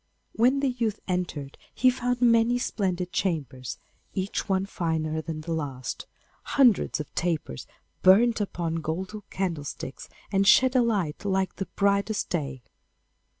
When the youth entered he found many splendid chambers, each one finer than the last. Hundreds of tapers burnt upon golden candlesticks, and shed a light like the brightest day.